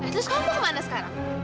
terus kamu mau kemana sekarang